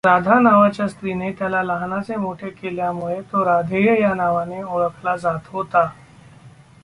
राधा नावाच्या स्त्रीने त्याला लहानाचे मोठे केल्यामुळे तो राधेय ह्या नावाने ओळखला जात होता.